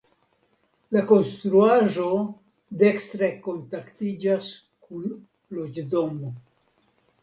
La konstruaĵo dekstre kontaktiĝas kun loĝdomo.